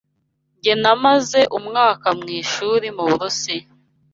Njye namaze umwaka mwishuri muburusiya.